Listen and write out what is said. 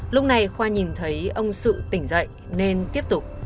lúc này khoa nhìn thấy ông sự tỉnh dậy nên tiếp tục